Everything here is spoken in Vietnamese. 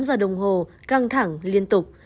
hơn tám giờ đồng hồ căng thẳng liên tục